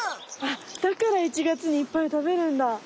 あっだから１月にいっぱい食べるんだ。